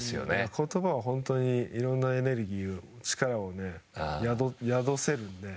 言葉は本当に色んなエネルギー、力を宿せるので。